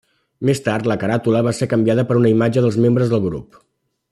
Més tard, la caràtula va ser canviada per una imatge dels membres del grup.